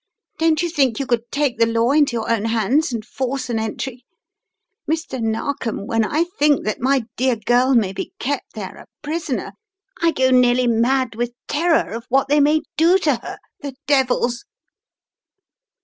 Don't you think you could take the law into your own hands and force an entry? Mr. Narkom, when I think that my dear girl may be kept there a prisoner, I go nearly mad with terror of what they may do to her — the devils!"